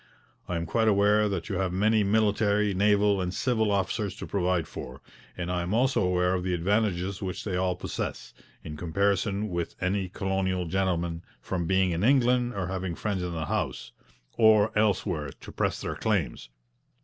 ... I am quite aware that you have many military, naval, and civil officers to provide for, and I am also aware of the advantages which they all possess, in comparison with any colonial gentleman, from being in England or having friends in the House, or elsewhere, to press their claims.